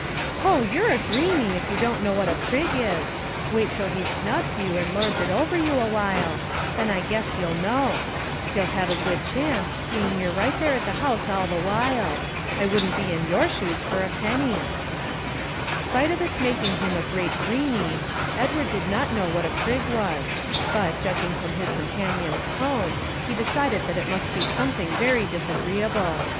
"Ho! you're a greeney, if you don't know what a prig is. Wait till he snubs you and lords it over you awhile; then I guess you'll know. He'll have a good chance, seeing you're right there at the house all the while. I wouldn't be in your shoes for a penny." Spite of its making him a great greeney, Edward did not know what a prig was; but, judging from his companion's tone, he decided that it must be something very disagreeable.